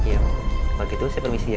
oh gitu saya permisi ya